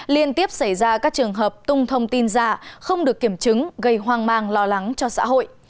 liên tiếp xảy ra các trường hợp tung thông tin giả không được kiểm chứng gây hoang mang lo lắng cho xã hội